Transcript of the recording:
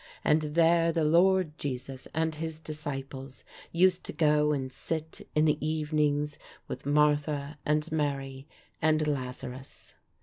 And there the Lord Jesus and his disciples used to go and sit in the evenings, with Martha, and Mary, and Lazarus.